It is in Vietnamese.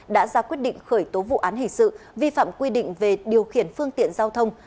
đã ra quyết định khởi tố vụ án hình sự vi phạm quy định về điều khiển phương tiện giao thông